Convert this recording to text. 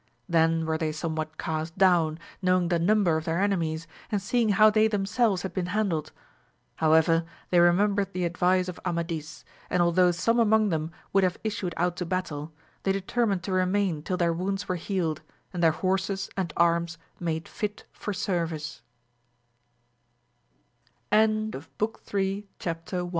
Then were they somewhat cast down, knowing the number of their enemies, and seeing how they themselves had been handled. However they remembered the advice of Amadis, and although some among them would have issued out to battle, they determined to remain till their wounds were healed, and their horses and ar